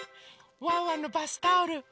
ワンワンのバスタオル。